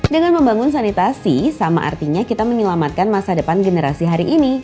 dengan membangun sanitasi sama artinya kita menyelamatkan masa depan generasi hari ini